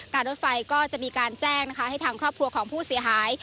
รถไฟก็จะมีการแจ้งนะคะให้ทางครอบครัวของผู้เสียหาย